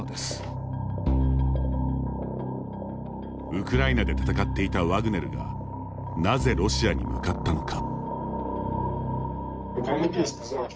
ウクライナで戦っていたワグネルがなぜロシアに向かったのか。